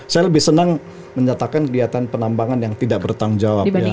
saya lebih senang menyatakan kegiatan penambangan yang tidak bertanggung jawab ya